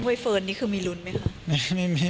ใบเฟิร์นนี่คือมีลุ้นไหมคะ